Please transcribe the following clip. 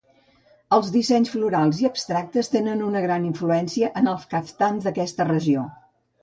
Els dissenys florals i abstractes tenen una gran influència en els caftans d'aquesta regió.